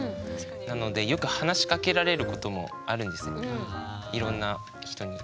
なのでよく話しかけられることもあるんですねいろんな人に。